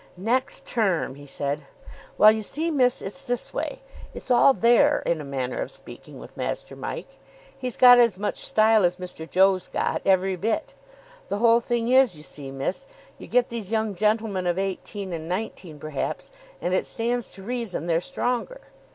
"Next term!" he said. "Well, you see, miss, it's this way. It's all there, in a manner of speaking, with Master Mike. He's got as much style as Mr. Joe's got, every bit. The whole thing is, you see, miss, you get these young gentlemen of eighteen, and nineteen perhaps, and it stands to reason they're stronger.